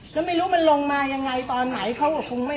นำมาประโยชน์เป็นใจและความทรงจำ